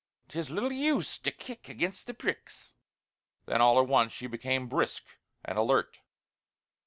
'Tis little use to kick against the pricks." Then all at once she became brisk and alert.